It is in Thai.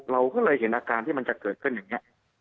เราก็เลยเห็นอาการที่มันจะเกิดขึ้นอย่างนี้